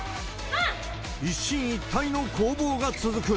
一進一退の攻防が続く。